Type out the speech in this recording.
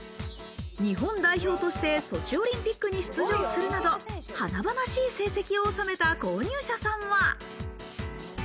日本代表としてソチオリンピックに出場するなど華々しい成績を収めた購入者さんは。